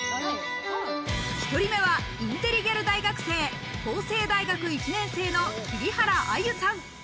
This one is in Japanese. １人目はインテリギャル大学生、法政大学１年生の桐原愛歩さん。